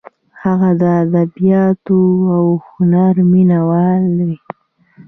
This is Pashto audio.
هغه د ادبیاتو او هنر مینه وال و.